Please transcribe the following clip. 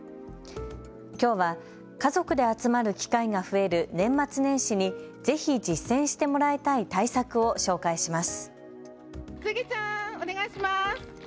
きょうは家族で集まる機会が増える年末年始にぜひ実践してもらいたい対策を紹介します。